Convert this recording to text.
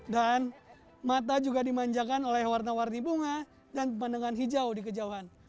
dan mata juga dimanjakan oleh warna warni bunga dan pemandangan hijau di kejauhan